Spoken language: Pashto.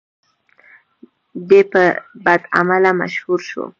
دی په بدعمله مشهور شو.